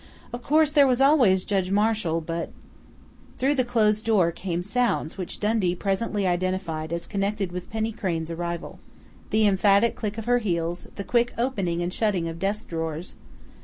Of course there was always Judge Marshall, but Through the closed door came sounds which Dundee presently identified as connected with Penny Crain's arrival the emphatic click of her heels; the quick opening and shutting of desk drawers....